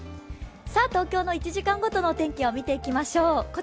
東京の１時間ほどの天気を見ていきましょう。